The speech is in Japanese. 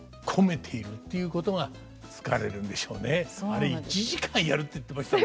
あれ１時間やるって言ってましたね。